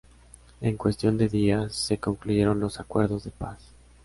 En cuestión de días, se concluyeron los acuerdos de paz.